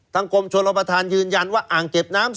กรมชนประธานยืนยันว่าอ่างเก็บน้ำ